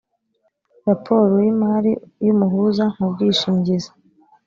raporo y imari y umuhuza mu bwishingizi